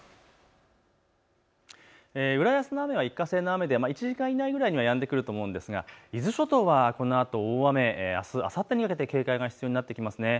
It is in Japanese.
浦安の雨は一過性の雨で１時間以内にはやんでくると思うんですが伊豆諸島はこのあと大雨、あす、あさってにかけて警戒が必要になります。